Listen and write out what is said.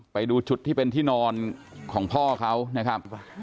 ไปดูจุดที่เป็นที่นอนของพ่อเขานะครับ